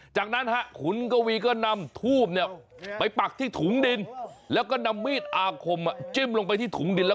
จากนั้นขุนกวีก็นำทูบเนี่ยไปปักที่ถุงดินแล้วก็นำมีดอาคมจิ้มลงไปที่ถุงดินแล้ว